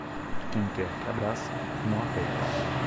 Quem quer que abraça, não aperta.